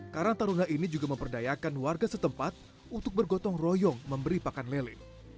karang taruna ini juga memperdayakan warga setempat untuk bergotong royong memberi pakan lele